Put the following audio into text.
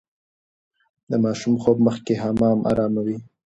د ماشوم خوب مخکې حمام اراموي.